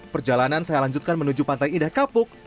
perjalanan saya lanjutkan menuju pantai indah kapuk